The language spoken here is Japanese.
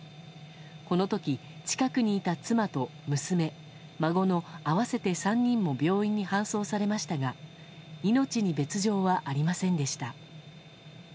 この時、近くにいた妻と娘孫の合わせて３人も病院に搬送されましたが命に別条はありませんでした。